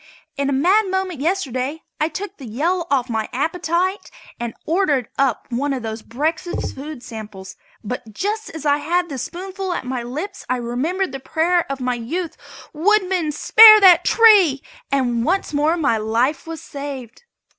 In a mad moment yesterday I took the Yale lock off my appetite and ordered up one of those breakfast food samples, but just as I had the spoonful at my lips I remembered the prayer of my youth: "Woodman, spare that tree!" and once more my life was saved.